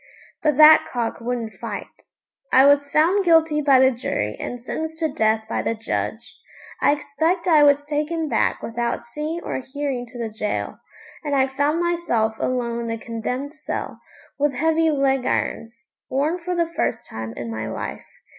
But that cock wouldn't fight. I was found guilty by the jury and sentenced to death by the judge. I expect I was taken back without seeing or hearing to the gaol, and I found myself alone in the condemned cell, with heavy leg irons worn for the first time in my life.